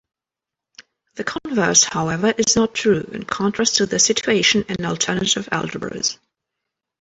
The converse, however, is not true, in contrast to the situation in alternative algebras.